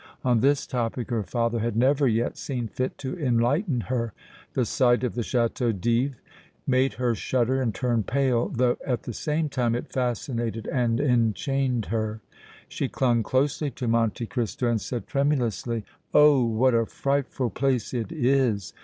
On this topic her father had never yet seen fit to enlighten her. The sight of the Château d' If made her shudder and turn pale, though at the same time it fascinated and enchained her. She clung closely to Monte Cristo and said, tremulously: "Oh! what a frightful place it is!